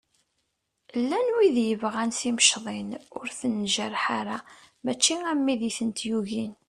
Llan widen i yebɣan timecḍin ur ten-njerreḥ ara mačči am widen i tent-yugin.